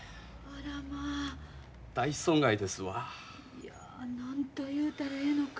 いや何と言うたらええのか。